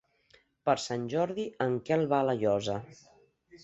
Per Sant Jordi en Quel va a La Llosa.